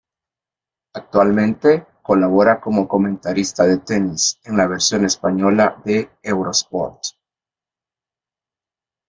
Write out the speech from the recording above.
Actualmente colabora como comentarista de tenis en la versión española de Eurosport.